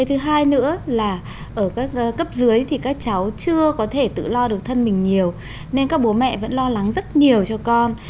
thứ hai nữa là ở các cấp dưới thì các cháu chưa có thể tự lo được thân mình nhiều nên các bố mẹ vẫn lo lắng rất nhiều cho con